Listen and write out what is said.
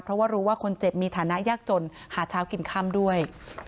เพราะว่ารู้ว่าคนเจ็บมีฐานะยากจนหาเช้ากินค่ำด้วย